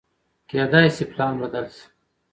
کېدای شي پلان بدل شي.